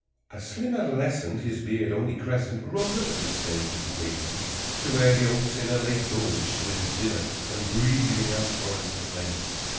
_|++ A slim adolescent, His beard only crescent, Rode up at this stage of the game To where the old sinner Lay gorged with his dinner, And breathing out torrents of flame.